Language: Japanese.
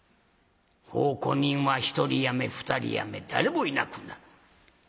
奉公人は１人やめ２人やめ誰もいなくなる。